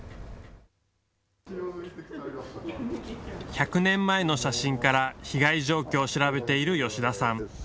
１００年前の写真から被害状況を調べている吉田さん。